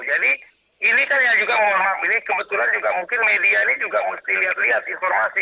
jadi ini kan yang juga menghormati kebetulan juga mungkin media ini juga mesti lihat lihat informasi